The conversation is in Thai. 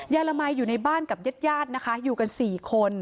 ยายละไมห์อยู่ในบ้านกับเย็ดยาดนะคะอยู่กัน๔คน